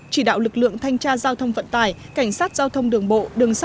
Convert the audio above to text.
chỉ đạo lực lượng thanh tra giao thông vận tải cảnh sát giao thông đường bộ